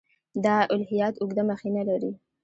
دا الهیات اوږده مخینه لري.